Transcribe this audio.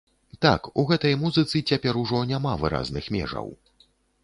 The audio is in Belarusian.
Так, у гэтай музыцы цяпер ужо няма выразных межаў.